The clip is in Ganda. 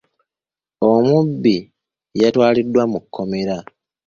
Omubbi yatwaliddwa mu kkomera.